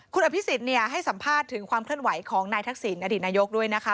คุณอภิษฎให้สัมภาษณ์ถึงความเคลื่อนไหวของนายทักษิณอดีตนายกด้วยนะคะ